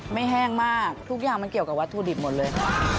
แห้งมากทุกอย่างมันเกี่ยวกับวัตถุดิบหมดเลย